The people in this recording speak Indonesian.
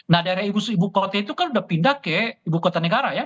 nah daerah ibu kota itu kan udah pindah ke ibu kota negara ya